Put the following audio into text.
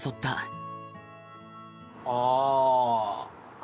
ああ。